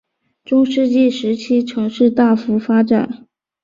中世纪时期城市大幅发展。